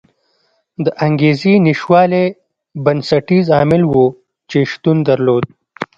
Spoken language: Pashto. د انګېزې نشتوالی بنسټیز عامل و چې شتون درلود.